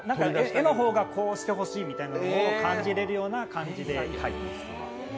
絵の方がこうしてほしいみたいなのを感じれるような感じで描いています。